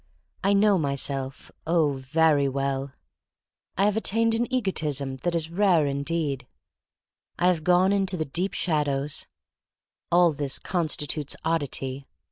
I know myself, oh, very well. I have attained an egotism that is rare indeed. I have gone into the deep shadows. All this constitutes oddity.